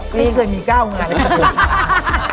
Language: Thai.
ก็ไม่เคยมี๙งานนะครับ